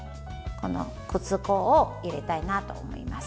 くず粉を入れたいなと思います。